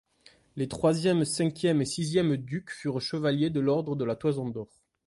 Les troisième, cinquième et sixième ducs furent chevaliers de l'ordre de la Toison d'or.